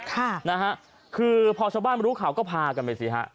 ค่ะนะฮะคือพอชาวบ้านรู้ข่าวก็พากันไปสิฮะ